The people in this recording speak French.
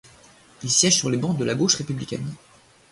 Il siège sur les bancs de la gauche républicaine.